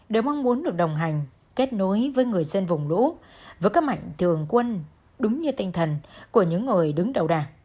đều mong muốn được đồng hành kết nối với người dân vùng lũ với các mạnh thường quân đúng như tinh thần của những người đứng đầu đảng